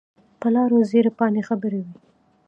په لارو زېړې پاڼې خپرې وي